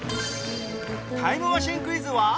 タイムマシンクイズは